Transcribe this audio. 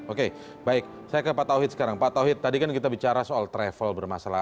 oke baik saya ke pak tauhid sekarang pak tauhid tadi kan kita bicara soal travel bermasalah